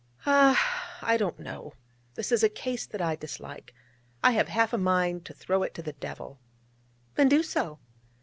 'Ah!... I don't know. This is a case that I dislike. I have half a mind to throw it to the devil.' 'Then do so.'